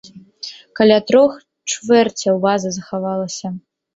Каля трох чвэрцяў вазы захавалася.